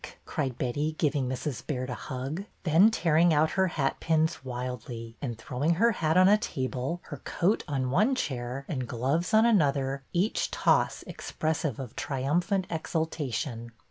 cried V/ 1 Betty, giving Mrs. Baird a hug, then tearing out her hatpins wildly, and throwing her hat on a table, her coat on one chair and gloves on another, each toss expressive of triumphant exultation.